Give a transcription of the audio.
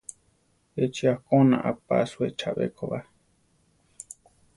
Échi a-koná aʼpasúe chabé ko ba.